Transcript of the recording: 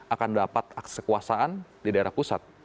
akan dapat sekuasaan di daerah pusat